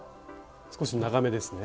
少し長めですね。